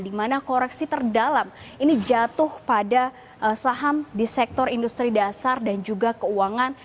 di mana koreksi terdalam ini jatuh pada saham di sektor industri dasar dan juga keuangan